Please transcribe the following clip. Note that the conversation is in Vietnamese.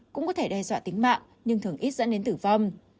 cũng có thể đe dọa tính mạng nhưng thường ít dẫn đến tử vong